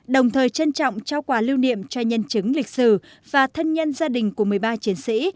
đồng thời trân trọng trao quà lưu niệm cho nhân chứng lịch sử và thân nhân gia đình của một mươi ba chiến sĩ